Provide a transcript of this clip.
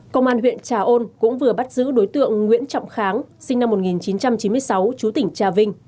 công an huyện trà ôn cũng vừa bắt giữ đối tượng nguyễn trọng kháng sinh năm một nghìn chín trăm chín mươi sáu chú tỉnh trà vinh